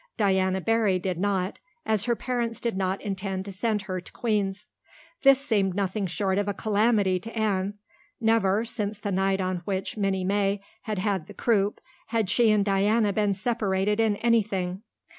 Diana Barry did not, as her parents did not intend to send her to Queen's. This seemed nothing short of a calamity to Anne. Never, since the night on which Minnie May had had the croup, had she and Diana been separated in anything.